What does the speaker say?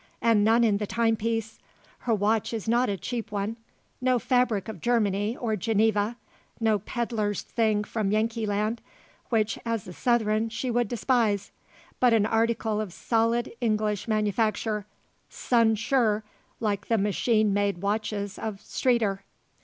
And none in the timepiece. Her watch is not a cheap one. No fabric of Germany, or Geneva; no pedlar's thing from Yankeeland, which as a Southron she would despise; but an article of solid English manufacture, sun sure, like the machine made watches of "Streeter."